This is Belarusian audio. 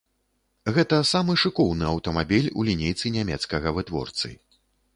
Гэта самы шыкоўны аўтамабіль у лінейцы нямецкага вытворцы.